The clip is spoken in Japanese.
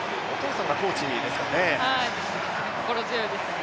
お父さんがコーチですからね。